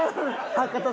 博多